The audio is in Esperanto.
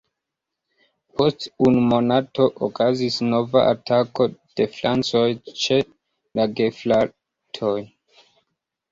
Post unu monato okazis nova atako de francoj ĉe la gefratoj.